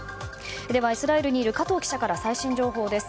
イスラエルにいる加藤記者から最新情報です。